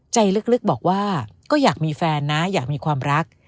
ใจลึกบอกว่าก็อยากมีแฟนนะอยากมีความรัก